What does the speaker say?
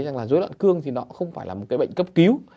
rằng là dối loạn cương thì nó không phải là một cái bệnh cấp cứu